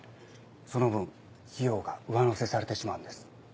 その分費用が上乗せされてしまうんです。